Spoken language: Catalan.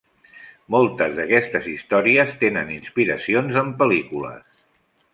Moltes d'aquestes històries tenen inspiracions en pel·lícules.